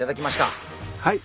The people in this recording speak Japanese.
はい。